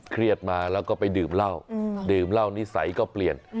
เครียดมาแล้วก็ไปดื่มเหล้าดื่มเหล้านิสัยก็เปลี่ยน